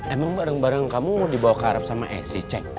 emang bareng bareng kamu dibawa ke arab sama esi cek